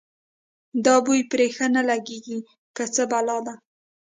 دا بوی پرې ښه نه لګېږي که څه بلا ده.